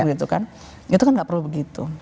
itu kan tidak perlu begitu